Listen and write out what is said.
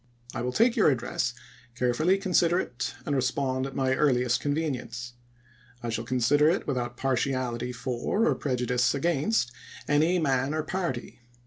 I will take your address, carefully consider it, and respond at my earliest convenience. I shall consider it without partiality 216 ABRAHAM LINCOLN chap.viii. for, or prejudice against, any man or party.